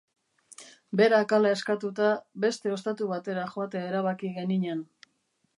Berak hala eskatuta, beste ostatu batera joatea erabaki geninan.